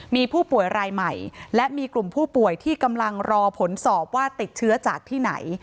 มีผู้ป่วยรายใหม่และมีกลุ่มผู้ป่วยที่กำลังรอผลสอบว่าติดเชื้อจากที่ไหน